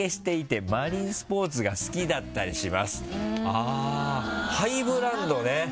あぁハイブランドね。